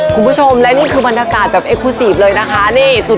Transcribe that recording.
คุณผู้ชมและนี่คือบรรยากาศแบบเอคูซีฟเลยนะคะนี่สุด